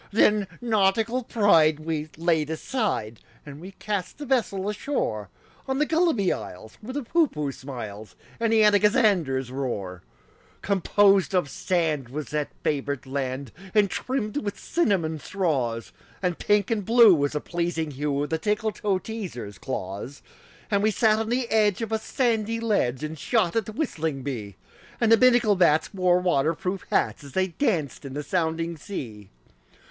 Then nautical pride we laid aside, And we cast the vessel ashore On the Gulliby Isles, where the Poohpooh smiles, And the Anagazanders roar. Composed of sand was that favored land, And trimmed with cinnamon straws; And pink and blue was the pleasing hue Of the Tickletoeteaser's claws. And we sat on the edge of a sandy ledge And shot at the whistling bee; And the Binnacle bats wore water proof hats As they danced in the sounding sea.